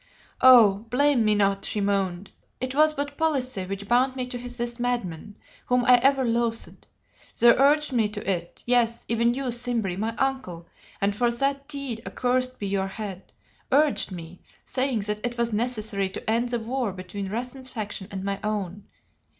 "Oh! blame me not," she moaned, "it was but policy which bound me to this madman, whom I ever loathed. They urged me to it; yes, even you, Simbri, my uncle, and for that deed accursed be your head urged me, saying that it was necessary to end the war between Rassen's faction and my own.